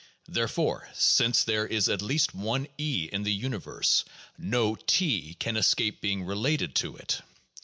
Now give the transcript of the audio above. Therefore, since there is at least one E in the universe, no T can escape being related to it.